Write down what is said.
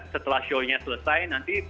setelah show nya selesai nanti